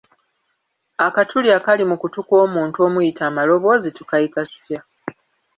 Akatuli akali mu kutu kw’omuntu omuyita amaloboozi tukayita tutya?